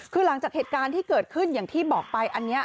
คือหลังจากเหตุการณ์ที่เกิดขึ้นอย่างที่บอกไปอันนี้